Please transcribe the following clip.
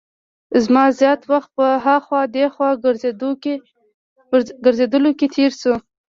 زما زیات وخت په هاخوا دیخوا ګرځېدلو کې تېر شو.